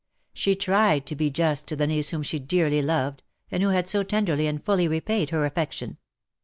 She tried to be just to the niece whom she dearly loved, and who had so tenderly and fully repaid her affection.